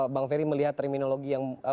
bang ferry melihat terminologi yang